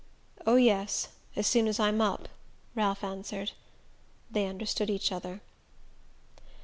"Oh, yes: as soon as I'm up," Ralph answered. They understood each other.